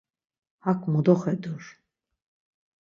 Hak mo doxedur.